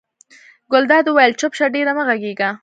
ګلداد وویل چپ شه ډېره مه غږېږه.